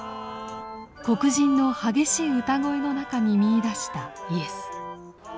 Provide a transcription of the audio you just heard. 黒人の激しい歌声の中に見いだしたイエス。